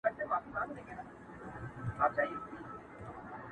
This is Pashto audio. چي په ځان كي دا جامې د لوى سلطان سي!.